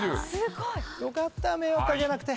よかった迷惑掛けなくて。